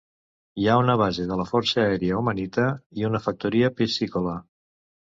Hi ha una base de la Força Aèria Omanita i una factoria piscícola.